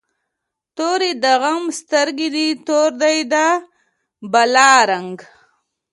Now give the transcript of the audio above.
توری د غم سترګی دي، تور دی د بلا رنګ